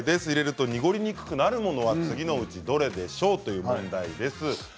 入れると濁りにくくなるものは次のうちどれでしょう？という問題です。